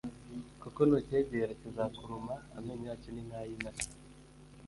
kuko nucyegera, kizakuruma amenyo yacyo ni nk'ay'intare